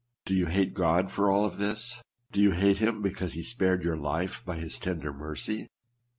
Do you hate God for all this ? Do you hate Mm because he spared your life by his tender mercy?